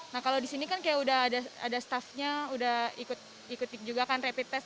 nah kalau di sini kan kayak udah ada staffnya udah ikut juga kan rapid test